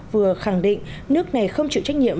vừa khẳng định nước này không chịu trách nhiệm